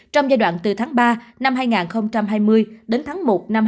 trong giai đoạn từ tháng ba đến tháng một